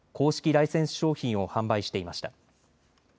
ライセンス商品を販売していました。